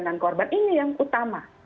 dan korban ini yang utama